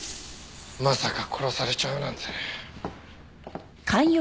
まさか殺されちゃうなんて。